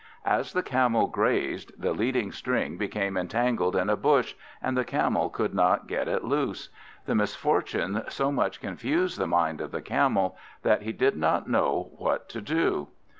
As the Camel grazed, this leading string became entangled in a bush, and the Camel could not get it loose. This misfortune so much confused the mind of the Camel that he did not know what to do.